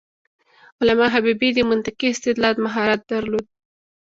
علامه حبيبي د منطقي استدلال مهارت درلود.